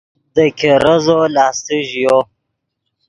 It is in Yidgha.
دے ګیرزو لاستے ژیو